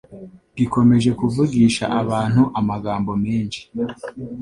gikomeje kuvugisha abantu amagambo menshi